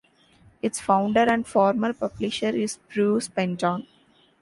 Its founder and former publisher is Bruce Penton.